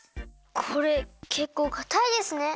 これけっこうかたいですね。